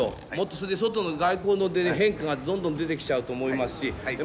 それで外の外光の変化がどんどん出てきちゃうと思いますし前は増やします。